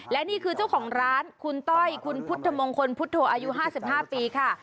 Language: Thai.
และนี่คือเจ้าของร้านคุณต้อยคุณพุทธมงคลพุทธโธอายุ๕๕ปีค่ะ